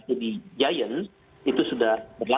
antara pemilik perusahaan dengan serikat pekerja hero group